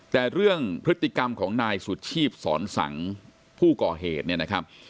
แต่เรื่องพฤติกรรมของนายสุชีพสอนสังผู้ก่อเหตุเนี่ยนะครับ